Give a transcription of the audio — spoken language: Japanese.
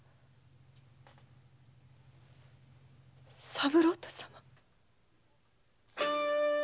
三郎太様！